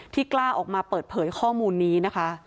กล้าออกมาเปิดเผยข้อมูลนี้นะคะ